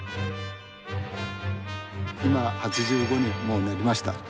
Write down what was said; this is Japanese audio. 今８５にもうなりました。